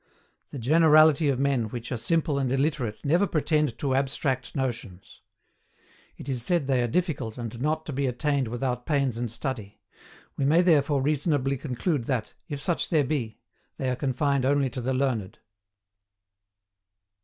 The generality of men which are simple and illiterate never pretend to ABSTRACT NOTIONS. It is said they are difficult and not to be attained without pains and study; we may therefore reasonably conclude that, if such there be, they are confined only to the learned.